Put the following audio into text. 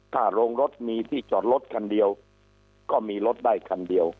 ถ้าโรงรถมีที่จอดรถคันเดียวก็มีรถได้คันเดียว